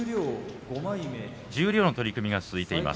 十両の取組が続いています。